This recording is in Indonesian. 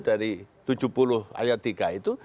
dari tujuh puluh ayat tiga itu